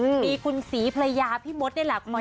มีคุณศรีภรรยาพี่มดนี่แหละคอย